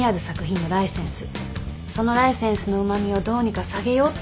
そのライセンスのうまみをどうにか下げようって考えたの。